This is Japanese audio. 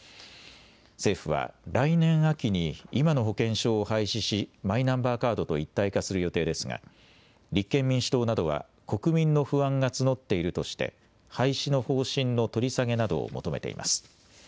政府は、来年秋に今の保険証を廃止し、マイナンバーカードと一体化する予定ですが、立憲民主党などは国民の不安が募っているとして廃止の方針の取り下げなどを求めています。